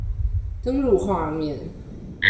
登入畫面